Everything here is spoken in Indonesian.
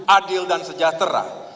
adil dan sejahtera